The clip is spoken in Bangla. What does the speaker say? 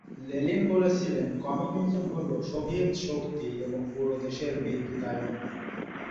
লেনিন বলেছিলেন "কমিউনিজম হ'ল সোভিয়েত শক্তি এবং পুরো দেশের বিদ্যুতায়ন"।